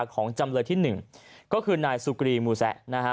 ของจำเลยที่หนึ่งก็คือนายสุกรีมูแซะนะฮะ